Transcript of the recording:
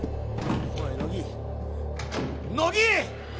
おい乃木乃木！